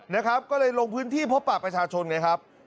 นะครับก็เลยลงพื้นที่พบปากประชาชนไงครับ